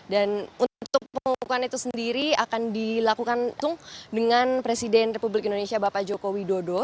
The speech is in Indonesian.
dan untuk pengukuhan itu sendiri akan dilakukan dengan presiden republik indonesia bapak joko widodo